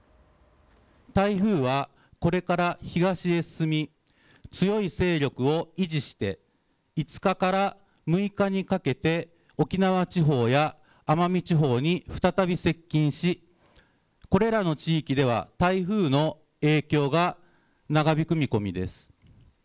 台風はこれから東へ進み強い勢力を維持して５日から６日にかけて沖縄地方や奄美地方に再び接近しこれらの地域では台風の影響が長引く見込みです。